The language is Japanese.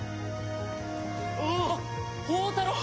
おお宝太郎！